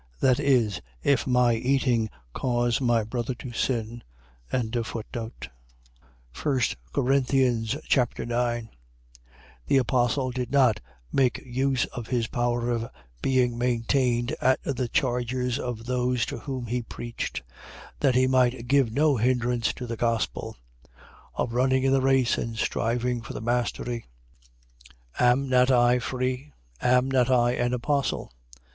. .That is, if my eating cause my brother to sin. 1 Corinthians Chapter 9 The apostle did not make use of his power of being maintained at the charges of those to whom he preached, that he might give no hindrance to the gospel. Of running in the race and striving for the mastery. 9:1. Am I not I free? Am not I an apostle?